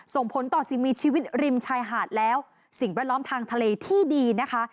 ส่งผลต่อสิ่งมีชีวิตริมชายหาดแล้วสิ่งแวดล้อมทางทะเลที่ดีนะคะ